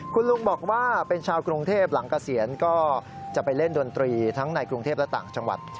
คุณลุงบอกว่าเป็นชาวกรุงเทพหลังเกษียณก็จะไปเล่นดนตรีทั้งในกรุงเทพและต่างจังหวัด